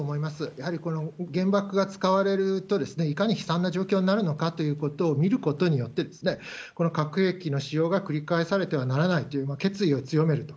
やはりこの原爆が使われると、いかに悲惨な状況になるのかということを見ることによって、核兵器の使用が繰り返されてはならないという決意を強めると。